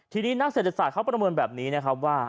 ทีนี้นักเศรษฐศาสตร์เขาประเมินแบบนี้นะครับว่า